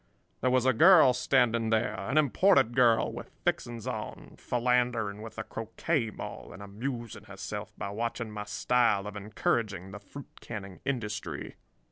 "There was a girl standing there—an imported girl with fixings on— philandering with a croquet maul and amusing herself by watching my style of encouraging the fruit canning industry.